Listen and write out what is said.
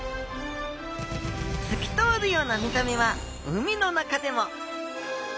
透き通るような見た目は海の中でも！